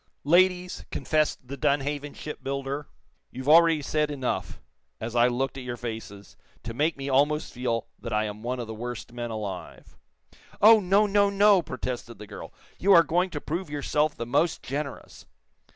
"Ladies," confessed the Dunhaven shipbuilder, "you've already said enough, as I looked at your faces, to make me almost feel that I am one of the worst men alive." "Oh, no, no, no!" protested the girl. "You are going to prove yourself the most generous."